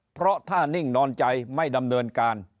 เพราะถ้านิ่งนอนใจไม่ดำเนินการ